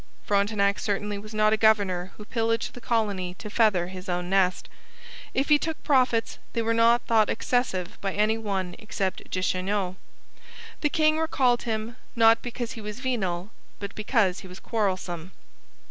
Frontenac certainly was not a governor who pillaged the colony to feather his own nest. If he took profits, they were not thought excessive by any one except Duchesneau. The king recalled him not because he was venal, but because he was quarrelsome.